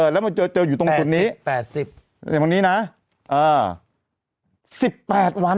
แล้วมันเจอเจออยู่ตรงจุดนี้แปดสิบแปดสิบอยู่ตรงนี้น่ะเออสิบแปดวัน